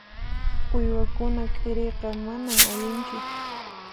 Uywakuna k'iriyqa manan allinchu.